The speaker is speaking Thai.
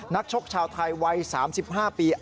ชกชาวไทยวัย๓๕ปี